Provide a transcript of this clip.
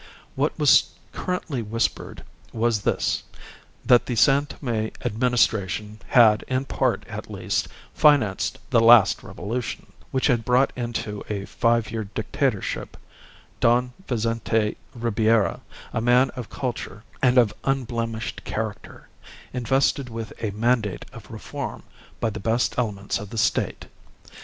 What was currently whispered was this that the San Tome Administration had, in part, at least, financed the last revolution, which had brought into a five year dictatorship Don Vincente Ribiera, a man of culture and of unblemished character, invested with a mandate of reform by the best elements of the State.